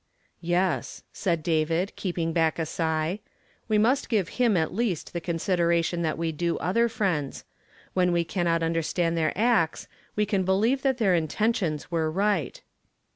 "Yes," said David, keeping back a sigh; "we must give him at least the consideration that we do other friends. When we cannot undei stand their acts, we can believe that their intentions Avere right."